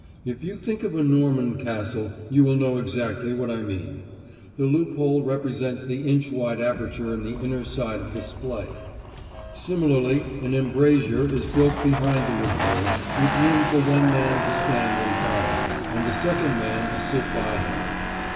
If you think of a Norman castle you will know exactly what I mean. The loophole represents the inch wide aperture in the inner side of the splay. Similarly an embrasure is built behind the loophole, with room for one man to stand and fire, and the second man to sit by him.